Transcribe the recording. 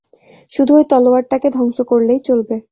শুধু ওই তলোয়ারটাকে ধ্বংস করলেই চলবে।